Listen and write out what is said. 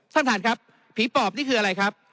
ท่านท่านครับผีปอบนี่คืออะไรครับ